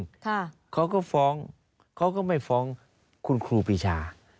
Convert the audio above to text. จริงค่ะเขาก็ฟ้องเขาก็ไม่ฟ้องคุณครูพิชา